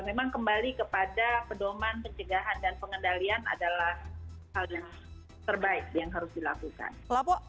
jadi memang kembali kepada pedoman pencegahan dan pengendalian adalah hal yang terbaik yang harus dilakukan